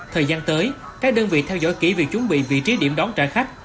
thời gian tới các đơn vị theo dõi kỹ việc chuẩn bị vị trí điểm đón trả khách